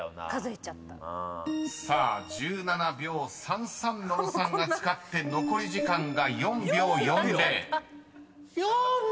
［さあ１７秒３３野呂さんが使って残り時間が４秒４０］